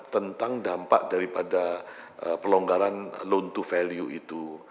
tentang dampak daripada pelonggaran loan to value itu